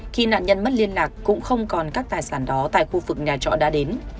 khi nạn nhân mất liên lạc cũng không còn các tài sản đó tại khu vực nhà trọ đã đến